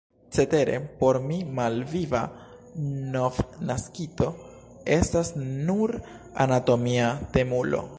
Cetere por mi malviva novnaskito estas nur anatomia temulo.